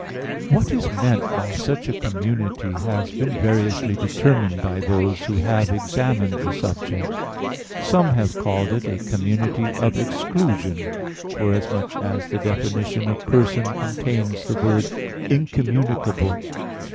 What is meant by such a community has been variously determined by those who have examined the subject. Some have called it a community of exclusion, forasmuch as the definition of "person" contains the word "incommunicable."